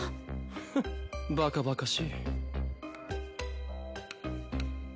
フッバカバカしい。